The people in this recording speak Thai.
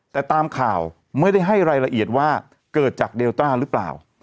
แต่ตามข่าวไม่ได้ให้รายละเอียดว่าเกิดจากเดลต้าหรือเปล่า